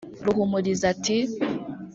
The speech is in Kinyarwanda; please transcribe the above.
Ruhumuriza ati